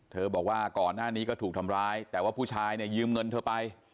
บอกว่าก่อนหน้านี้ก็ถูกทำร้ายแต่ว่าผู้ชายเนี่ยยืมเงินเธอไป